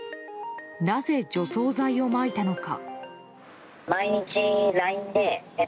なぜ、除草剤をまいたのか。